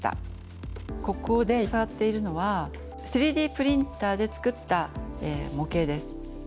ここで触っているのは３Ｄプリンターで作った模型です。